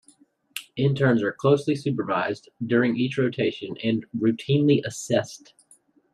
Interns are closely supervised during each rotation and routinely assessed.